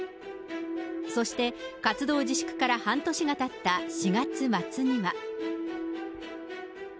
そして、活動自粛から半年がたった４月末には。